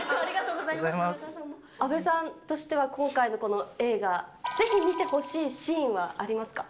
阿部さんとしては今回のこの映画、ぜひ見てほしいシーンはありますか？